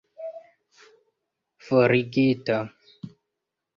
forigita